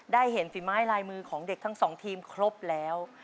ได้เห็นฝีไม้ลายมือของเด็กทั้งสองทีมครบแล้ว